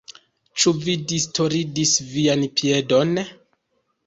Ĉu vi distordis vian piedon?